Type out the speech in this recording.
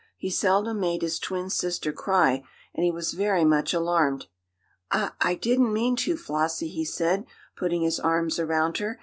He seldom made his twin sister cry, and he was very much alarmed. "I I didn't mean to, Flossie," he said, putting his arms around her.